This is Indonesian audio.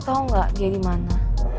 lo tau nggak dia di mana